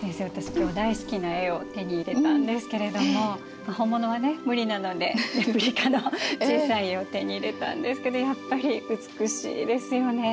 今日大好きな絵を手に入れたんですけれども本物はね無理なのでレプリカの小さい絵を手に入れたんですけどやっぱり美しいですよね。